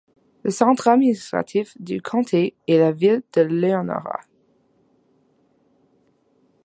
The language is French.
Le centre administratif du comté est la ville de Leonora.